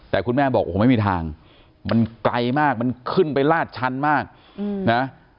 แต่คุณแม่บอกโอ้โหไม่มีทางมันไกลมากมันขึ้นไปลาดชั้นมากนะ